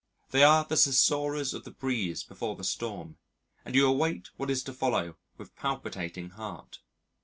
They are the susurrus of the breeze before the storm, and you await what is to follow with palpitating heart.